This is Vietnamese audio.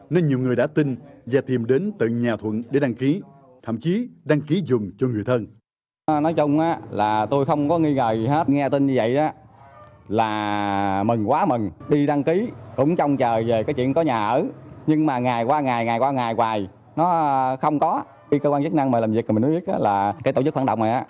nên nhiều người đã tin và tìm đến tận nhà thuận để đăng ký thậm chí đăng ký dùng cho người thân